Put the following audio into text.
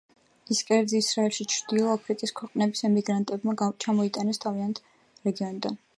ეს კერძი ისრაელში ჩრდილო აფრიკის ქვეყნების ემიგრანტებმა ჩამოიტანეს თავიანთი რეგიონიდან.